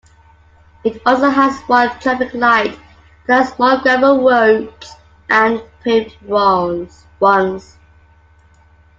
It also has one traffic light, but has more gravel roads than paved ones.